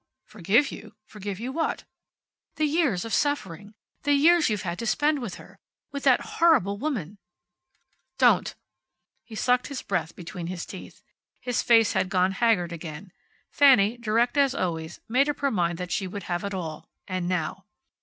"Forgive you? Forgive you what?" "The years of suffering. The years you've had to spend with her. With that horrible woman " "Don't " He sucked his breath between his teeth. His face had gone haggard again. Fanny, direct as always, made up her mind that she would have it all. And now.